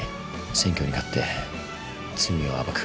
選挙に勝って罪を暴く。